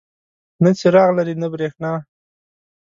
نه څراغ لري نه بریښنا.